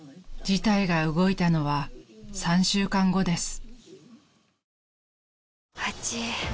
［事態が動いたのは３週間後です］